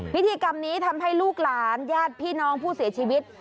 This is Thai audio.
พิธีกรรมนี้ทำให้ลูกหลานญาติพี่น้องผู้เสียชีวิต